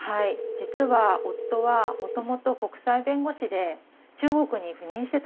実は夫はもともと国際弁護士で中国に赴任してたんです。